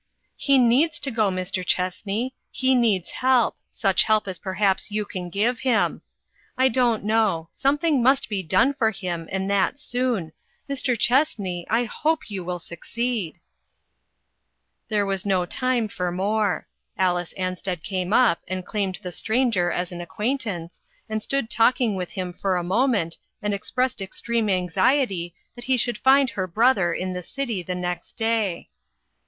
" He needs to go, Mr. Chessney. He needs help ; such help as perhaps you can give him. I don't know. Something must be done for him, and that soon. Mr. Chessney, I hope you will succeed." DANGERS SEEN AND UNSEEN. 387 There was no time for more. Alice An sted came up, and claimed the stranger as an acquaintance, and stood talking with him for a moment and expressed extreme anxiety that he should find her brother in the city the next day.